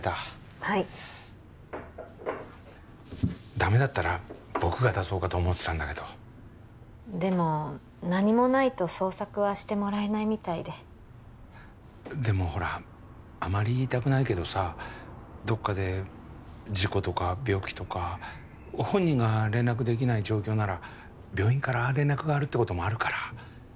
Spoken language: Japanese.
はいダメだったら僕が出そうかと思ってたんだけどでも何もないと捜索はしてもらえないみたいででもほらあまり言いたくないけどさどっかで事故とか病気とか本人が連絡できない状況なら病院から連絡があるってこともあるから